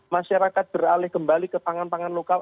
masyarakat beralih kembali ke pangan pangan lokal